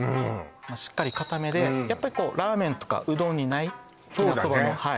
しっかりかためでやっぱりラーメンとかうどんにないそうだね